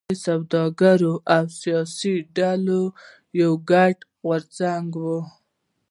دا د سوداګرو او سیاسي ډلو یو ګډ غورځنګ و.